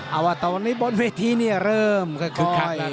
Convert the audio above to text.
เอาว่าตอนนี้บนเวทีเนี่ยเริ่มค่อยคึกคักแล้ว